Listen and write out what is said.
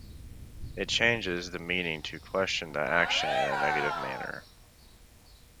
It changes the meaning to question the action in a negative manner.